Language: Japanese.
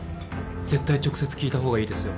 絶対直接聞いた方がいいですよ。